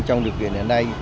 trong điều kiện hiện nay